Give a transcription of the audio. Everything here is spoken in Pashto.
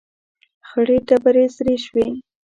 ، خړې ډبرې سرې شوې.